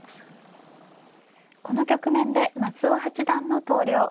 この局面で松尾八段の投了